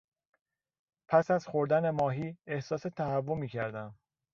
پس از خوردن ماهی احساس تهوع میکردم.